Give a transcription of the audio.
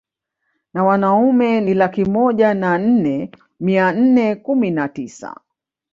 Na wanaume ni laki moja na nne mia nne kumi na tisa